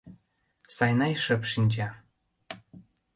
Сайнай шып шинча.